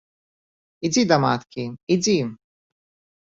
Ідзі да маткі, ідзі.